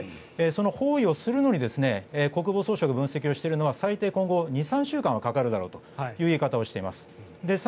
その方位をするのに国防総省が分析しているのは今後２３週間はかかるだろうという言い方をしています。